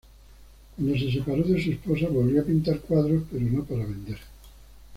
Cuando se separó de su esposa volvió a pintar cuadros, pero no para vender.